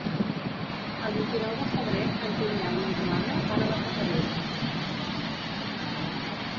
El vint-i-nou de febrer en Julià i na Joana van a la Fatarella.